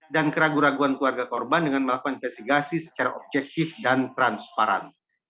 dan keraguan raguan keluarga korban dengan melakukan investigasi secara objektif dan transparan